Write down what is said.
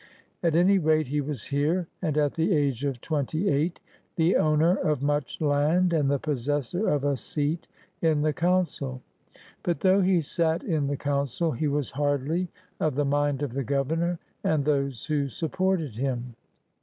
At any rate he was here, and at the age of twenty eight the owner of much land and the possessor of a seat in the G>uncil. But, though he sat in the G>uncil, he was hardly of the mind of the Governor and those who supported him.